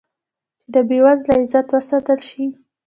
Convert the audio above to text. چې د بې وزله عزت وساتل شي.